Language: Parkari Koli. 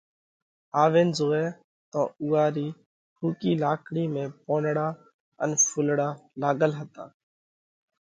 آوينَ زوئه تو اُوئا رِي ۿُوڪِي لاڪڙِي ۾ پونَڙا ان ڦُولڙا لاڳل هتا.